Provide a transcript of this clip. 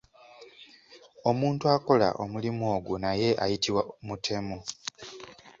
Omuntu akola omulimu ogwo naye ayitibwa mutemu.